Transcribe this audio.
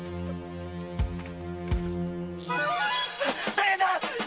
大変だ！